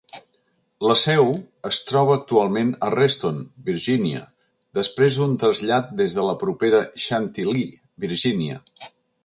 La seu es troba actualment a Reston, Virgínia, després d'un trasllat des de la propera Chantilly, Virginia.